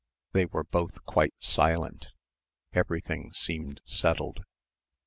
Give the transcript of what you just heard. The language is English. They were both quite silent. Everything seemed settled.